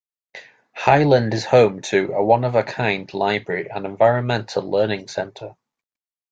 Highland is home to a one of a kind library and environmental learning center.